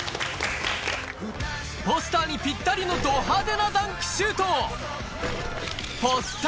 ポスターにぴったりのど派手なダンクシュート